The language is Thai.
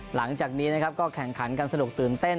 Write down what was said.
หลังจากนี้นะครับก็แข่งขันกันสนุกตื่นเต้น